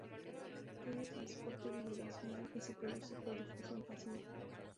Tiene transporte bidireccional y se produce por difusión pasiva.